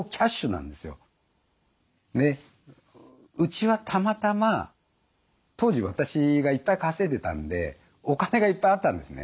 うちはたまたま当時私がいっぱい稼いでたんでお金がいっぱいあったんですね。